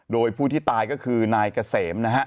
โดยผู้ที่ตายก็คือนายเกษมนะฮะ